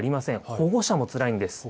保護者もつらいんです。